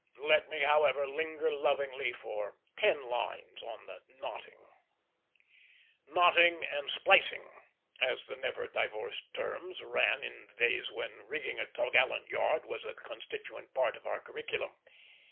Let me, however, linger lovingly for ten lines on the knotting "knotting and splicing," as the never divorced terms ran in the days when rigging a topgallant yard was a constituent part of our curriculum.